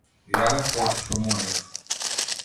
Јадев колку што можев.